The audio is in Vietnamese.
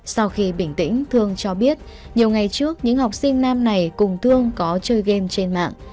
sau khi bình tĩnh thương cho biết nhiều ngày trước những học sinh nam này cùng thương có chơi game trên mạng